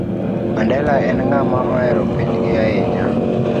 Mandela en ng'ama ohero pinygi ahinya